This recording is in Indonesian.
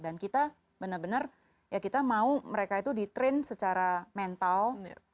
dan kita benar benar ya kita mau mereka itu di train secara mental